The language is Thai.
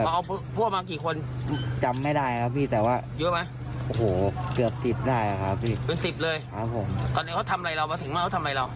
ก่อนเนี่ยเขาทำไรเรามาถึงมาเขาทำไรเรา